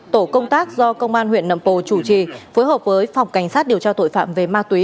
tổ công tác do công an huyện nậm bồ chủ trì phối hợp với phòng cảnh sát điều tra tội phạm về ma túy